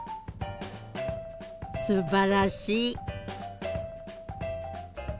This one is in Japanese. すばらしい。